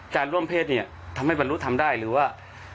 ร่วมเพศเนี่ยทำให้บรรลุทำได้หรือว่า